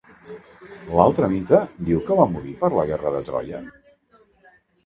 L'altre mite diu que va morir per la guerra de Troia?